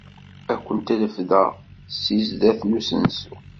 Ad ken-refdeɣ seg sdat n usensu.